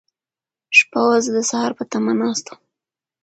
شپه وه، زه د سهار په تمه ناست وم.